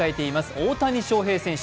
大谷翔平選手。